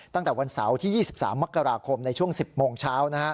ตั้งแต่วันเสาร์ที่๒๓มกราคมในช่วง๑๐โมงเช้า